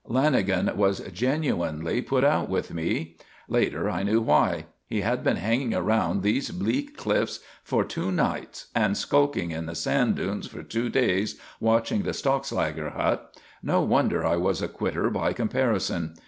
Lanagan was genuinely put out with me. Later I knew why. He had been hanging around those bleak cliffs for two nights and skulking in the sand dunes for two days watching the Stockslager hut. No wonder I was a "quitter" by comparison.